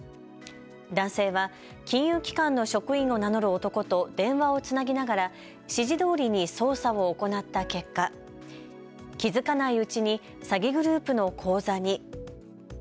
男性は金融機関の職員を名乗る男と電話をつなぎながら指示どおりに操作を行った結果、気付かないうちに詐欺グループの口座に。